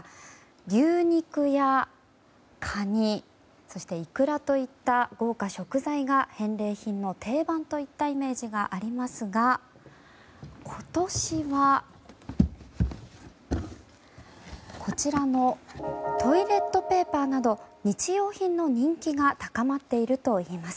牛肉やカニそしてイクラといった豪華食材が返礼品の定番といったイメージがありますが今年は、こちらのトイレットペーパーなど日用品の人気が高まっているといいます。